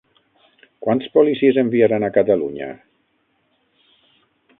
Quants policies enviaran a Catalunya?